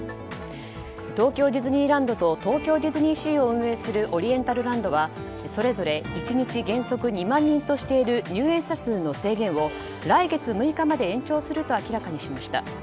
東京ディズニーランドと東京ディズニーシーを運営するオリエンタルランドはそれぞれ１日原則２万人としている入園者数の制限を来月６日まで延長すると明らかにしました。